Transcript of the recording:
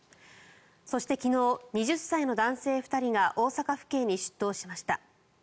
そして昨日、２０歳の男性２人が大阪府警に出頭しました。